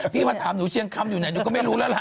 พี่มาถามหนูเชียงคำอยู่ไหนหนูก็ไม่รู้แล้วล่ะ